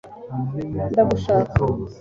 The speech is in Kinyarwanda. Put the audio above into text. ndagushaka